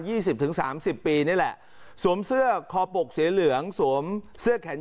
สิบถึงสามสิบปีนี่แหละสวมเสื้อคอปกสีเหลืองสวมเสื้อแขน